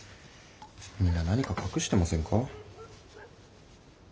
みんな何か隠してませんか？